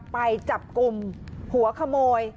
ไปจับกลุ่มหัวขโมย